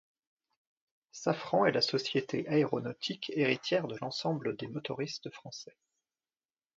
Safran est la société aéronautique héritière de l'ensemble des motoristes français.